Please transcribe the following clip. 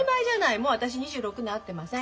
もう私２６年会ってません。